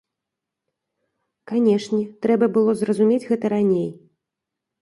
Канешне, трэба было зразумець гэта раней.